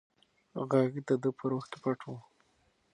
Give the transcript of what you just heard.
غږ د ده په روح کې پټ و.